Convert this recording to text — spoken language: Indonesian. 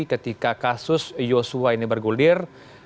ketika kasus yosua ini bergulir